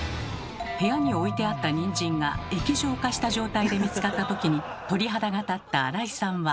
部屋に置いてあったニンジンが液状化した状態で見つかった時に鳥肌が立ったアライさんは。